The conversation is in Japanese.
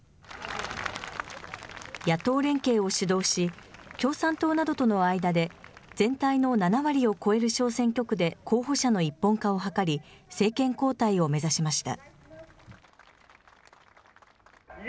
野党連携を主導し、共産党などとの間で、全体の７割を超える小選挙区で候補者の一本化を図り、政権交代を目指しました。